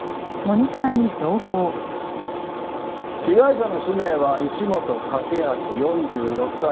被害者の氏名は石本武明４６歳。